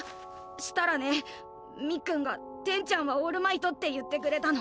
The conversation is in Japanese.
したらねえみっくんが「転ちゃんはオールマイト」って言ってくれたの。